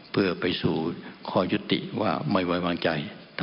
เพื่อไปสู่คอยุติว่าเมย์วัยวางใจต่อไป